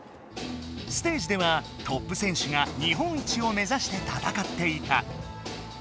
ステージではトップ選手が日本一を目ざしてたたかっていた。